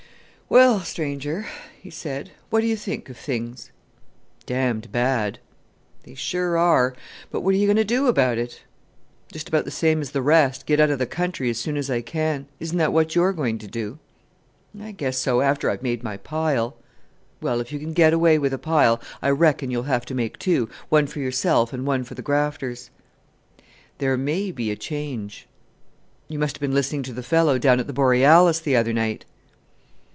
"Well, stranger," he said, "what do you think of things?" "Damned bad." "They sure are; but what are you going to do about it?" "Just about the same as the rest; get out of the country as soon as I can. Isn't that what you're going to do?" "I guess so after I've made my pile!" "Well, if you get away with a pile, I reckon you'll have to make two: one for yourself and one for the grafters." "There may be a change." "You must have been listening to the fellow down at the Borealis the other night."